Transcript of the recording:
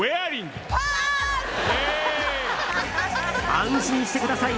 「安心してください。